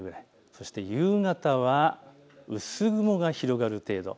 そして夕方は薄雲が広がる程度。